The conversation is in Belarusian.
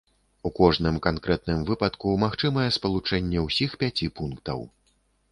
У кожным канкрэтным выпадку магчымае спалучэнне ўсіх пяці пунктаў.